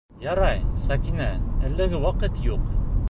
Ярай, Сәкинә, әлегә ваҡыт юҡ.